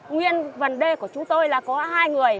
nguyên vấn đề của chúng tôi là có hai người